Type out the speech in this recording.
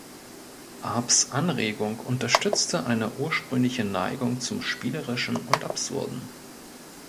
Arps Anregung unterstützte eine ursprüngliche Neigung zum Spielerischen und Absurden.